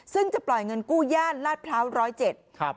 ซึ่งจะปล่อยเงินกู้ย่านภรรพร้าวไภยูดิ์๑๐๗